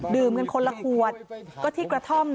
กันคนละขวดก็ที่กระท่อม